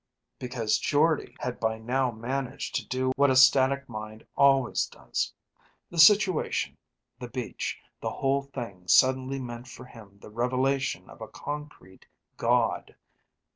"Because Jordde had by now managed to do what a static mind always does. The situation, the beach, the whole thing suddenly meant for him the revelation of a concrete God.